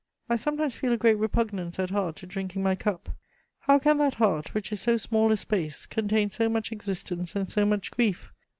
I sometimes feel a great repugnance at heart to drinking my cup. How can that heart, which is so small a space, contain so much existence and so much grief?